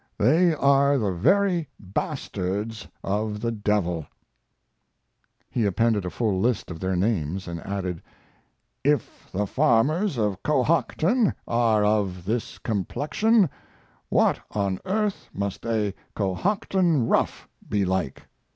They are the very bastards of the devil." He appended a full list of their names, and added: "If the farmers of Cohocton are of this complexion, what on earth must a Cohocton rough be like?"